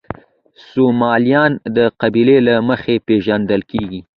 سومالیان د قبیلې له مخې پېژندل کېږي.